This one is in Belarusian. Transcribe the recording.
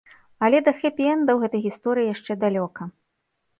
Але да хэпі-энда у гэтай гісторыі яшчэ далёка.